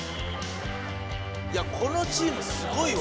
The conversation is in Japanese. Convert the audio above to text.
いやこのチームすごいわ。